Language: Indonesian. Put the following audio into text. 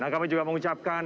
nah kami juga mengucapkan